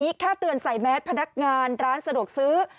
นี่แค่เตือนใส่แมสพนักงานร้านสะดวกซื้อ